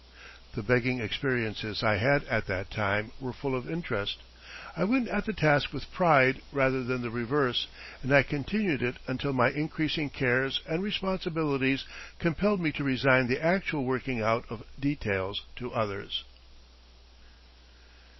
The begging experiences I had at that time were full of interest. I went at the task with pride rather than the reverse, and I continued it until my increasing cares and responsibilities compelled me to resign the actual working out of details to others.